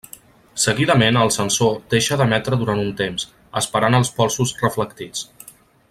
Seguidament el sensor deixa d'emetre durant un temps, esperant els polsos reflectits.